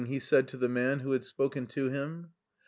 he said to the man who had spoken to him.